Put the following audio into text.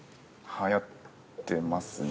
◆はやってますね。